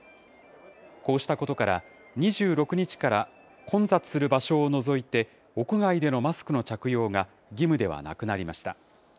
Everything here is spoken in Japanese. こうしたことから、２６日から混雑する場所を除いて、屋外でのマスクの着用が義務ではなくなりました。